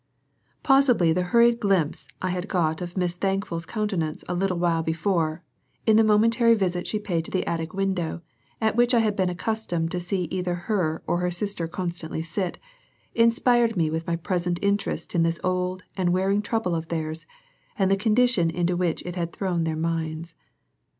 Possibly the hurried glimpse I had got of Miss Thankful's countenance a little while before, in the momentary visit she paid to the attic window at which I had been accustomed to see either her or her sister constantly sit, inspired me with my present interest in this old and wearing trouble of theirs and the condition into which it had thrown their minds.